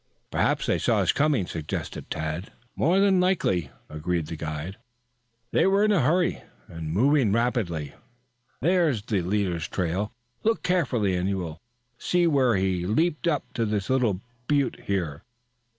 "Perhaps they saw us coming," suggested Tad. "More than likely," agreed the guide. "They were in a hurry and moving rapidly there! There's the leader's trail. Look carefully and you will see where he leaped up to this little butte here.